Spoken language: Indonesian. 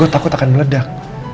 gue takut akan meledak